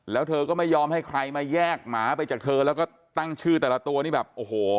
แล้วเธอก็ไม่ยอมให้ใครมาแยกหมาไปจากเธอแล้วก็ตั้งชื่อแต่ละตัวนี่แบบโอ้โห